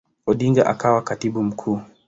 Odinga akawa Katibu Mkuu.